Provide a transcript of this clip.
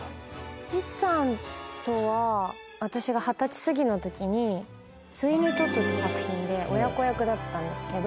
イチさんとは私が二十歳すぎのときに『スウィーニー・トッド』って作品で親子役だったんですけど。